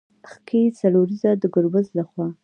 ښکې څلوريزه د ګربز له خوا